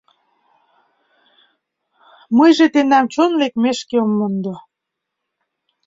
Мыйже тендам чон лекмешкем ом мондо...»